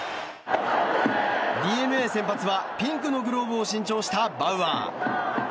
ＤｅＮＡ先発はピンクのグローブを新調したバウアー。